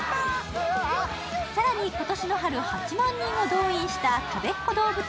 更に、今年の春８万人を動員したたべっ子どうぶつ